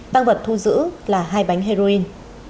tăng vật thu giữ là hai bánh heroin